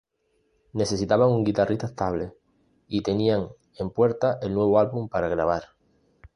Necesitaban un guitarrista estable y tenían en puerta el nuevo álbum para grabar.